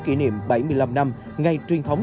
kỷ niệm bảy mươi năm năm ngày truyền thống